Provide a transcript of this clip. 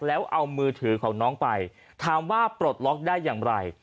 แล้วเอามือถือของน้องไปถามว่าปลดล็อกได้อย่างไร